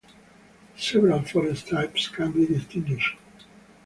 Several forest types can be distinguished.